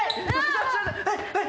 はい！